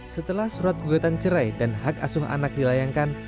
setelah surat gugatan cerai dan hak asuh anak dilayangkan